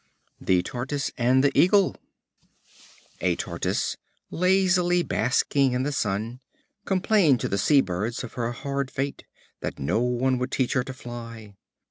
The Tortoise and the Eagle. A Tortoise, lazily basking in the sun, complained to the sea birds of her hard fate, that no one would teach her to fly.